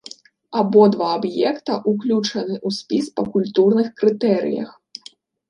Абодва аб'екта ўключаны ў спіс па культурных крытэрыях.